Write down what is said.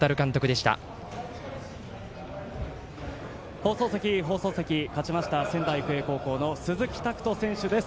放送席、放送席勝ちました仙台育英高校の鈴木拓斗選手です。